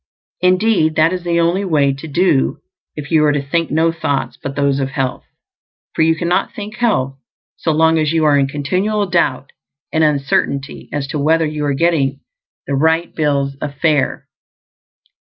Indeed, that is the only way to do if you are to think no thoughts but those of health; for you cannot think health so long as you are in continual doubt and uncertainty as to whether you are getting the right bills of fare.